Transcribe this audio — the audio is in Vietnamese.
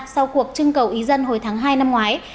sau cuộc trưng cầu ý dân hồi tháng hai năm ngoái